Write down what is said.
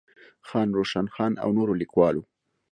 خان روشن خان او نورو ليکوالو